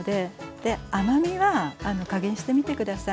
で甘みは加減してみて下さい。